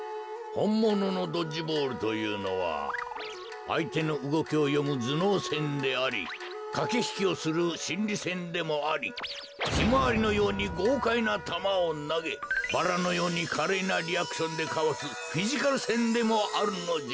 ほんもののドッジボールというのはあいてのうごきをよむずのうせんでありかけひきをするしんりせんでもありヒマワリのようにごうかいなたまをなげバラのようにかれいなリアクションでかわすフィジカルせんでもあるのじゃ。